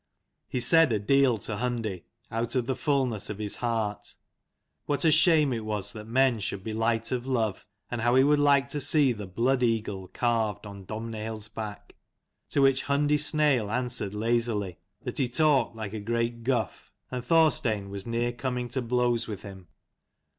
He said a deal to Hundi, out of the fulness of his heart : what a shame it was that men should be light of love, and how he would like to see the blood eagle carved on Domhnaill's back. To which Hundi Snail answered lazily that he talked like a great guff: and Thorstein was near coming to blows with him.